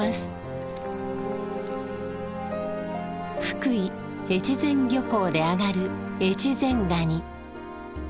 福井・越前漁港であがる越前ガニ。